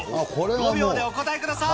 ５秒でお答えください。